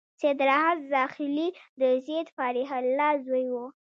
سید راحت زاخيلي د سید فریح الله زوی و.